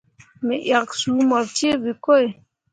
Me yak suu mur ceevǝkoi.